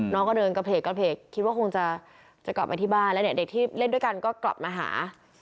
น้องก็เดินกระเพกกระเพกคิดว่าคงจะกลับไปที่บ้านแล้วเด็กที่เล่นด้วยกันก็กลับมาหา